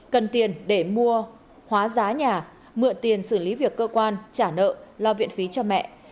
cần tiền để mua hóa giá nhà mượn tiền xử lý việc cơ quan trả nợ lo viện phí cho mẹ